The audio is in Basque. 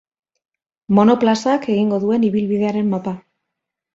Monoplazak egingo duen ibilbidearen mapa.